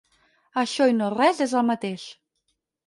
Això i no res és el mateix.